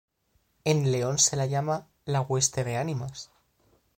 En León se la llama "La hueste de ánimas".